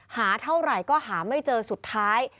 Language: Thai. หาเท่าไหร่ก็หาไม่เจอสุดท้าย